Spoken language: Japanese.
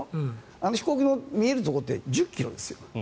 あの飛行機の見えるところって１０ｋｍですよ。